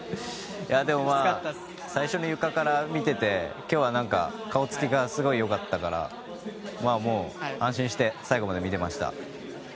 でも、最初のゆかから見ていて今日は顔つきがすごくよかったから安心して最後まで見てました。